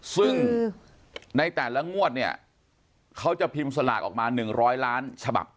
ซึ่งในแต่ละงวดเนี่ยเขาจะพิมพ์สลากออกมา๑๐๐ล้านฉบับ